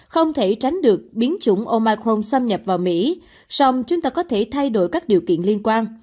không thể tránh được biến chủng omicron xâm nhập vào mỹ song chúng ta có thể thay đổi các điều kiện liên quan